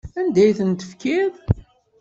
Anda ay tent-tefkiḍ?